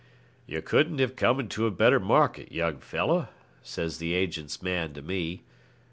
'You couldn't have come into a better market, young fellow,' says the agent's man to me.